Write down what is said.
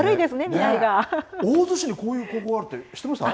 大洲市にこういう高校あるって知ってますか。